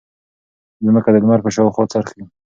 ځمکه د لمر په شاوخوا څرخي.